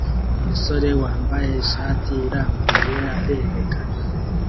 Umusore wambaye ishati irambuye arerekana